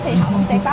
thì họ cũng sẽ có